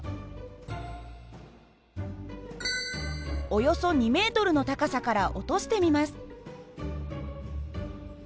およそ２ｍの高さから落としてみます。